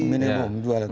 minimum dua alat bukti